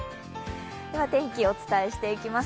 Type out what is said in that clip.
天気、お伝えしていきます。